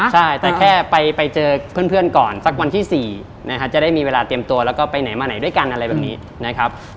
ใช่แต่แค่ไปเจอเพื่อนก่อนสักวันที่๔นะครับจะได้มีเวลาเตรียมตัวแล้วก็ไปไหนมาไหนด้วยกันอะไรแบบนี้นะครับ